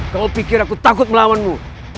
kalau pikir aku takut melawanmu